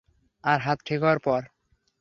আর হাত ঠিক হওয়ার পর।